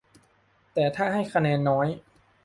แต่ถ้าให้คะแนนน้อย